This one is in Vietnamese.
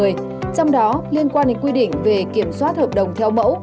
trong đó liên quan đến quy định về kiểm soát hợp đồng theo mẫu